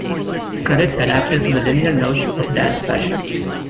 Credits adapted from the liner notes of "Dance Passion".